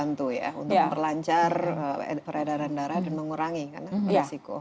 menurut saya itu mengurangi peredaran darah dan mengurangi resiko